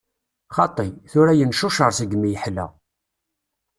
Xaṭi, tura yencucer segmi yeḥla.